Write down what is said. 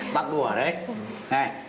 bác đùa đấy